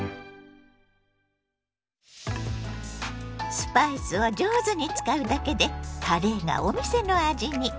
スパイスを上手に使うだけでカレーがお店の味に。